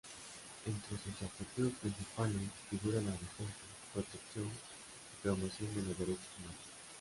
Entre sus objetivos principales figura la defensa, protección y promoción de los derechos humanos.